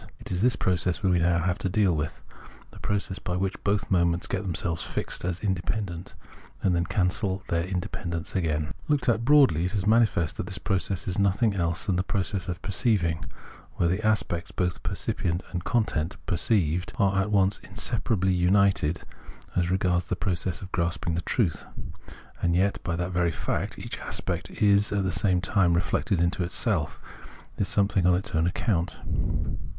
It is this process we have now to deal with — the process by which both moments get themselves fixed as inde pendent and then cancel their independence again. Looked at broadly, it is manifest that this process is nothing else than the process of perceiving, where the aspects, both percipient and content perceived, are at once inseparably miited as regards the process of grasping the truth, and yet, by that very fact, each aspect is at the same time reflected into itself, is something on its own account.